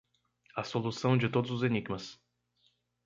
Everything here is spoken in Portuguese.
a solução de todos os enigmas